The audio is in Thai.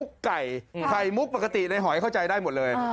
ไก่ไข่มุกปกติในหอยเข้าใจได้หมดเลย